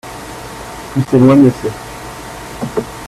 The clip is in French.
plus c'est loin mieux c'est.